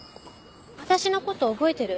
私のこと覚えてる？